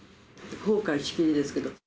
後悔しきりですけど。